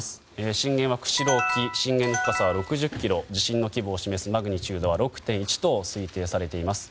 震源は釧路沖震源の深さは６０ｋｍ地震の規模を示すマグニチュード６．１と推定されています。